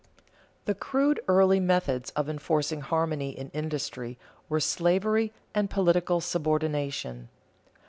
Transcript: _ The crude, early methods of enforcing harmony in industry were slavery and political subordination.